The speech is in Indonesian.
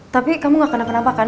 tapi kamu gak kena kenapakan